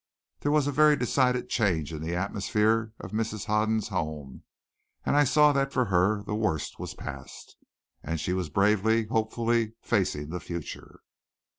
There was a very decided change in the atmosphere of Mrs. Hoden's home, and I saw that for her the worst was past, and she was bravely, hopefully facing the future.